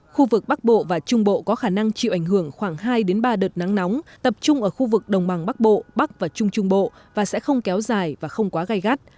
khu vực bắc bộ và trung bộ có khả năng chịu ảnh hưởng khoảng hai ba đợt nắng nóng tập trung ở khu vực đồng bằng bắc bộ bắc và trung trung bộ và sẽ không kéo dài và không quá gai gắt